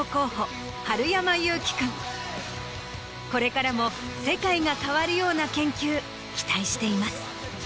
これからも世界が変わるような研究期待しています。